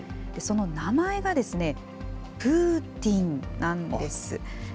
その名前が、プーティンなんです。